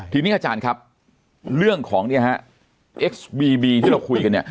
ทีนี้อาจารย์ครับเรื่องของเนี่ยฮะเอ็กซ์บีบีที่เราคุยกันเนี่ย